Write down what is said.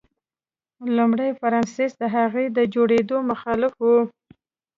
لومړي فرانسیس د هغې د جوړېدو مخالف و.